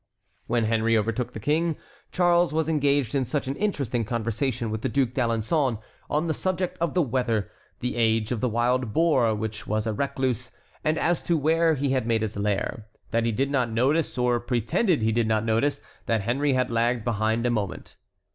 When Henry overtook the King, Charles was engaged in such an interesting conversation with the Duc d'Alençon, on the subject of the weather, the age of the wild boar which was a recluse, and as to where he had made his lair, that he did not notice, or pretended he did not notice, that Henry had lagged behind a moment.